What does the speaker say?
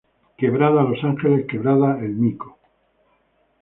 Quebrada Los Ángeles: Quebrada El Mico.